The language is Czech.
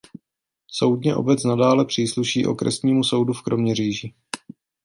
Soudně obec nadále přísluší Okresnímu soudu v Kroměříži.